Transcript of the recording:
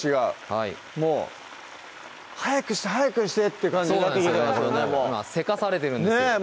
はいもう「早くして！早くして！」って感じになってきてますよねせかされてるんですねぇ